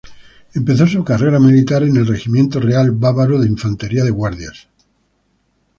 Empezó su carrera militar en el Regimiento Real Bávaro de Infantería de Guardias.